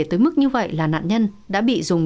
tới mức như vậy là nạn nhân đã bị dùng